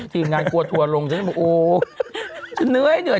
ทีมงานกลัวทั่วลงฉันก็โอ๊ยฉันเหนื่อยเหนื่อย